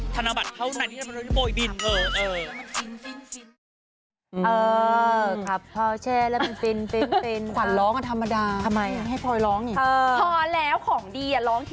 ธนบัตรเท่านั้นที่จะมีโปรดดิน